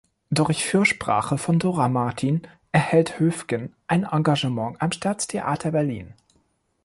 Durch Fürsprache von Dora Martin erhält Höfgen ein Engagement am Staatstheater Berlin.